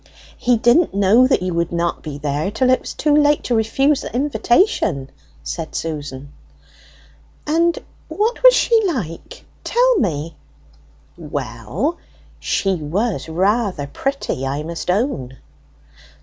"He didn't know that you would not be there till it was too late to refuse the invitation," said Susan. "And what was she like? Tell me." "Well, she was rather pretty, I must own."